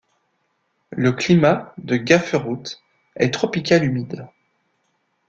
Le climat de Gaferut est tropical humide.